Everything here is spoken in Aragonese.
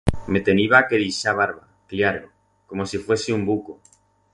Me teniba que dixar barba, cllaro, como si fuese un buco.